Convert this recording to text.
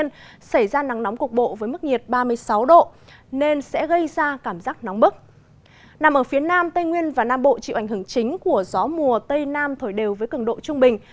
nằm ở phía nam tây nguyên và nam bộ chịu ảnh hưởng chính của gió mùa tây nam thổi đều với cường độ trung bình